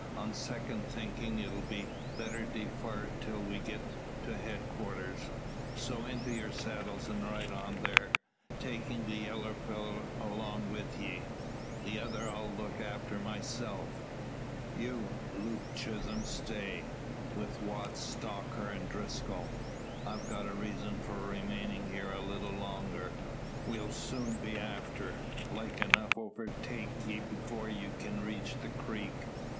On second thinkin' it'll be better defarred till we get to head quarters. So into your saddles and ride on thar takin' the yeller fellow along wi' ye. The other I'll look after myself. You, Luke Chisholm, stay; with Watts, Stocker, and Driscoll. I've got a reason for remaining here a little longer. We'll soon be after, like enough overtake ye 'fore you can reach the creek.